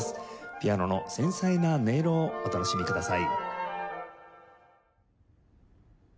ピアノの繊細な音色をお楽しみください。